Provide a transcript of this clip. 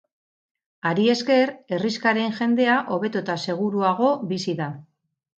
Hari esker herrixkaren jendea hobeto eta seguruago bizi da.